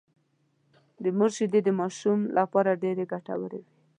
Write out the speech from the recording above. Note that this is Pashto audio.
د مور شېدې د ماشوم لپاره ډېرې ګټورې وي